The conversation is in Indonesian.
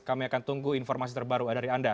kami akan tunggu informasi terbaru dari anda